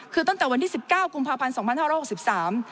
คือตั้งแต่วันที่สิบเก้ากุมภาพันธ์สองพันห้าร้อยหกสิบสาม